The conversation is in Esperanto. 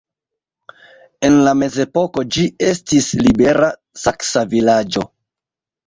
En la mezepoko ĝi estis "libera saksa vilaĝo".